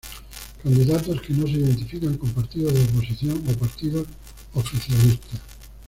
Candidatos que no se identifican con partidos de oposición o partidos oficialistas.